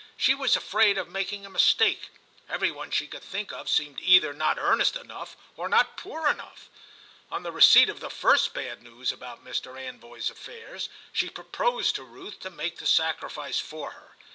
She was afraid of making a mistake; every one she could think of seemed either not earnest enough or not poor enough. On the receipt of the first bad news about Mr. Anvoy's affairs she proposed to Ruth to make the sacrifice for her.